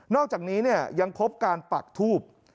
อกจากนี้ยังพบการปักทูบ